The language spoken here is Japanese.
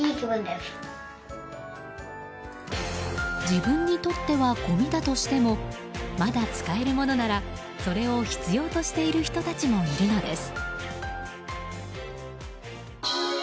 自分にとってはごみだとしてもまだ使えるものならそれを必要としている人たちもいるのです。